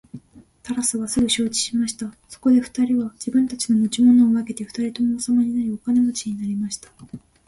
タラスはすぐ承知しました。そこで二人は自分たちの持ち物を分けて二人とも王様になり、お金持になりました。